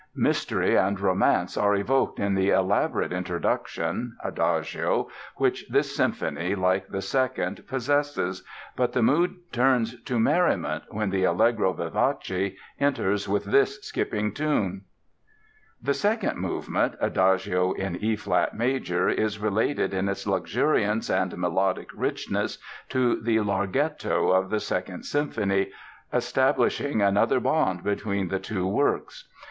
Mystery and romance are evoked in the elaborate introduction (Adagio), which this symphony like the Second possesses, but the mood turns to merriment when the "Allegro vivace" enters with this skipping tune: [Illustration: play music] The second movement (Adagio in E flat major) is related in its luxuriance and melodic richness to the Larghetto of the Second Symphony, establishing another bond between the two works.